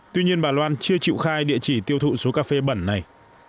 tuy nhiên bà loan chưa chịu khai địa chỉ tiêu thụ số cà phê bẩn này